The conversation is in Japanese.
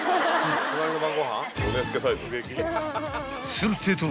［するってえと］